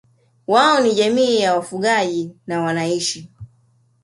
wao ni jamii ya wafugaji na wanaishi